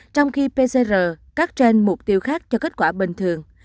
trong khi pcr các trên mục tiêu khác cho kết quả bình thường